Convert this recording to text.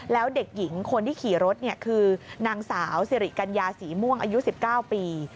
แล้วเด็กหญิงคนที่ขี่รถคือนางสาวสิริกัญญาศรีม่วงอายุ๑๙ปี